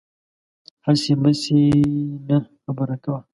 هسې مسې نه، خبره کوه